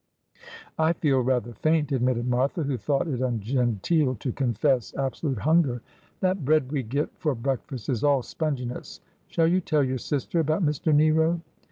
'I feel rather faint,"' admitted Martha, who thought it un genteel to confess absolute hunger. 'That bread we get for breakfast is all sponginess. Shall you tell your sister about Mr Nero